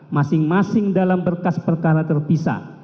masing masing dalam berkas perkara terpisah